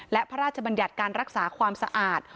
และพระราชบัญญัติการรักษาความสะอาด